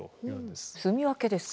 すみ分けですか。